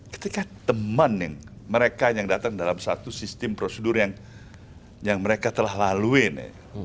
ketika teman mereka yang datang dalam satu sistem prosedur yang mereka telah laluin